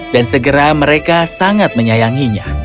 dan segera mereka sangat menyayanginya